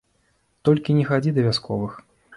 Толькі не хадзі да вясковых.